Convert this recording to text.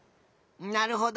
なるほど。